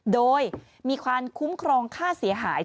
โดยมีความคุ้มครองค่าเสียหาย